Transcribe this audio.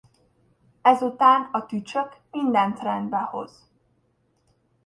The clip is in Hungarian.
Ezután a tücsök mindent rendbe hoz.